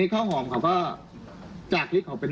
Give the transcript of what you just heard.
พี่สาวอายุ๗ขวบก็ดูแลน้องดีเหลือเกิน